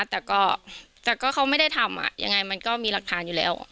แต่ก็เขาไม่ได้ทำยังไงมันก็มีหลักฐานอยู่แล้ว